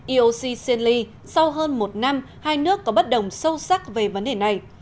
ioc ciel ly sau hơn một năm hai nước có bất đồng sâu sắc về vấn đề này